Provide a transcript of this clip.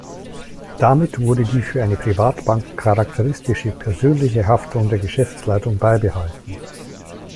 Damit wurde die für eine Privatbank charakteristische persönliche Haftung der Geschäftsleitung beibehalten.